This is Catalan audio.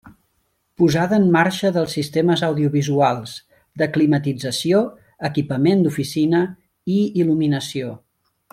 Posada em marxa dels sistemes audiovisuals, de climatització, equipament d'oficina i il·luminació.